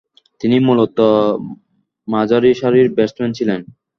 তিনি মূলতঃ মাঝারিসারির ব্যাটসম্যান ছিলেন।